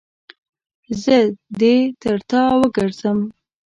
زه دې تر تا وګرځم.